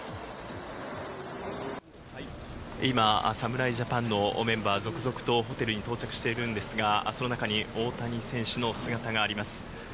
今、侍ジャパンのメンバー、続々とホテルに到着しているんですが、その中に大谷選手の姿があります。